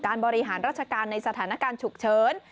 บริหารราชการในสถานการณ์ฉุกเฉิน